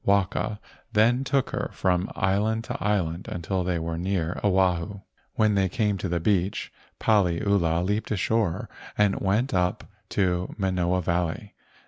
Waka then took her from island to island until they were near Oahu. When they came to the beach, Paliula leaped ashore and went up to Manoa Valley.